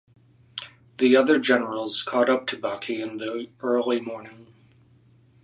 The other generals caught up to Baqi in the early morning.